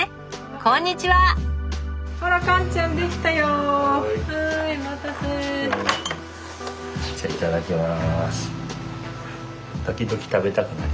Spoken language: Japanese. じゃいただきます。